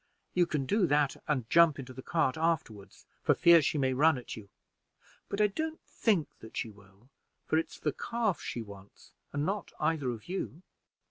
You can do that and jump into the cart afterward, for fear she may run at you; but I don't think that she will, for it's the calf she wants, and not either of you."